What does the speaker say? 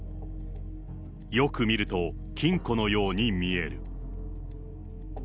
よく見ると、金庫のように見える。